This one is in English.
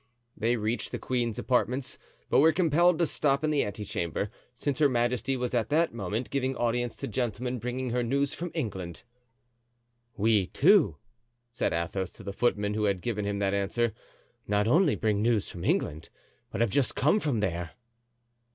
They reached the queen's apartments, but were compelled to stop in the ante chamber, since her majesty was at that moment giving audience to gentlemen bringing her news from England. "We, too," said Athos, to the footman who had given him that answer, "not only bring news from England, but have just come from there."